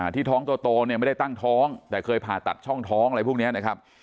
ที่ท้องโตไม่ได้ตั้งท้องแต่เคยผ่าตัดช่องท้องอะไรพวกนี้